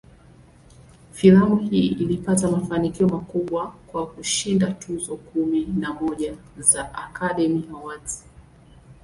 Filamu hii ilipata mafanikio makubwa, kwa kushinda tuzo kumi na moja za "Academy Awards".